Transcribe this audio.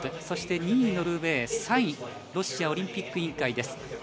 そして２位、ノルウェー３位、ロシアオリンピック委員会。